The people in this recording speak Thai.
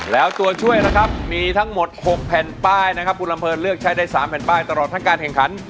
แล้วตัวช่วยนะครับมีทั้งหมด๖แผ่นป้ายนะครับคุณลำเนินเลือกใช้ได้๓แผ่นป้ายตลอดทั้งการแข่งขัน